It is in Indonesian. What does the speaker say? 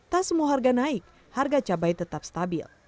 tak semua harga naik harga cabai tetap stabil